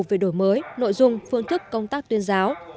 về đổi mới nội dung phương thức công tác tuyên giáo